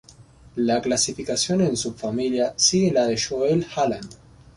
La clasificación en subfamilia sigue la de Joel Hallan.